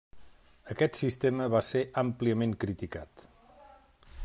Aquest sistema va ser àmpliament criticat.